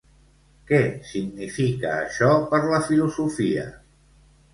Què significa això per la filosofia?